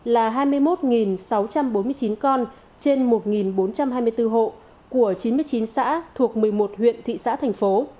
là hai mươi một sáu trăm bốn mươi chín con trên một bốn trăm hai mươi bốn hộ của chín mươi chín xã thuộc một mươi một huyện thị xã thành phố